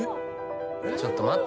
ちょっと待って。